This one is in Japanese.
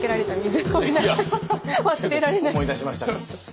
思い出しましたか？